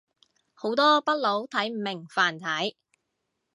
好多北佬睇唔明繁體